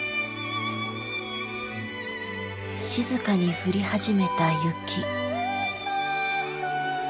静かに降り始めた雪。